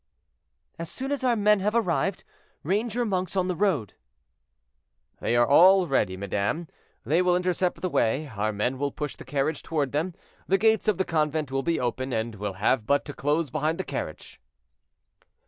"As soon as our men have arrived, range your monks on the road." "They are all ready, madame; they will intercept the way, our men will push the carriage toward them, the gates of the convent will be open, and will have but to close behind the carriage."